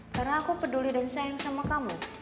karena aku peduli dan sayang sama kamu